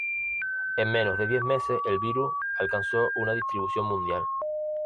En menos de diez meses el virus alcanzó una distribución mundial.